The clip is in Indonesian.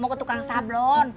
mau ke tukang sablon